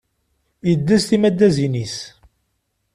Iddez timaddazin-is.